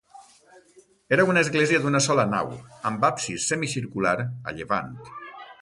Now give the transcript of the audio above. Era una església d'una sola nau, amb absis semicircular a llevant.